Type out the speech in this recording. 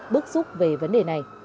bức xúc về vấn đề này